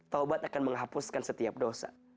taubat akan menghapuskan setiap dosa